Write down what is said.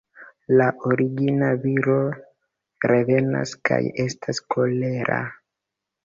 La origina viro revenas kaj estas kolera.